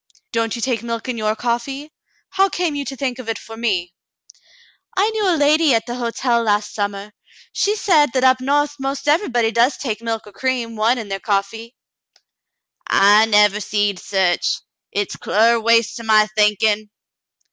"Don't you take milk in your coffee.'^ How came you to think of it for me ?" "I knew a lady at the hotel last summer. She said that up no*th 'most everybody does take milk or cream, one, in their coffee." " I never seed sech. Hit's clar waste to my thinkin'."